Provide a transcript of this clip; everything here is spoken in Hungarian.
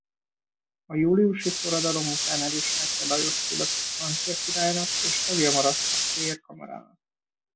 A júliusi forradalom után elismerte Lajos Fülöpöt francia királynak és tagja maradt a pair-kamarának.